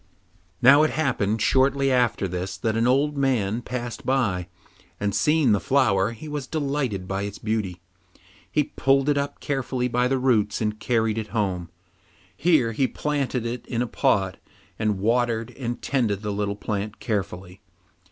Now it happened shortly after this that an old man passed by, and seeing the flower, he was delighted with its beauty. He pulled it up carefully by the roots and carried it home. Here he planted it in a pot, and watered and tended the little plant carefully.